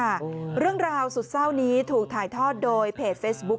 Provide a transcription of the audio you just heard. เรื่องราวสุดเศร้านี้ถูกถ่ายทอดโดยเพจเฟซบุ๊ค